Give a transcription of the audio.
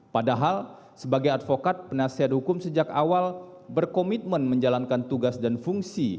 padahal sebagai advokat penasihat hukum sejak awal berkomitmen menjalankan tugas dan fungsi